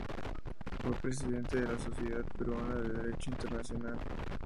Fue Presidente de la Sociedad Peruana de Derecho Internacional.